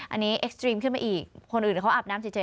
อันนี้เอ็กซ์ตรีมขึ้นมาอีกคนอื่นเขาอาบน้ำเฉย